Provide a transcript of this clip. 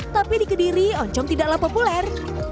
tapi di kediri oncom tidaklah populer